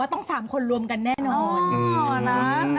ต้อง๓คนรวมกันแน่นอน